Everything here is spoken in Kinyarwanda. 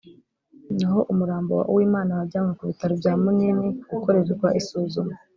naho umurambo wa Uwimana wajyanwe ku bitaro bya Munini gukorerwa isuzuma”